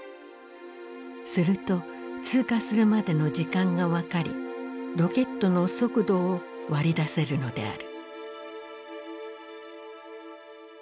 すると通過するまでの時間が分かりロケットの速度を割り出せるのである。